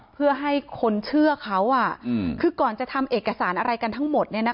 เพื่อให้คนเชื่อเขาคือก่อนจะทำเอกสารอะไรกันทั้งหมด